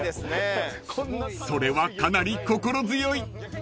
［それはかなり心強い］